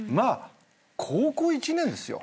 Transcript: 高校１年ですよ。